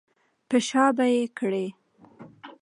په شا به یې کړې.